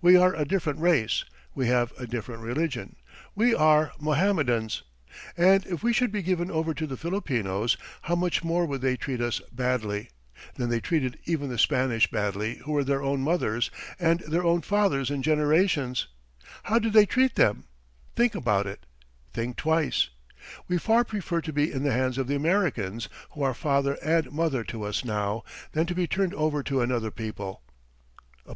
We are a different race; we have a different religion; we are Mohammedans. And if we should be given over to the Filipinos, how much more would they treat us badly, than they treated even the Spanish badly who were their own mothers and their own fathers in generations? How did they treat them? Think about it! Think twice! We far prefer to be in the hands of the Americans, who are father and mother to us now, than to be turned over to another people."